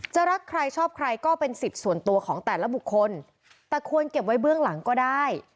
รักใครชอบใครก็เป็นสิทธิ์ส่วนตัวของแต่ละบุคคลแต่ควรเก็บไว้เบื้องหลังก็ได้